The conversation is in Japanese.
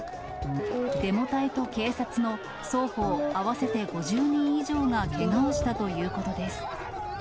デモ隊と警察の双方合わせて５０人以上がけがをしたということです。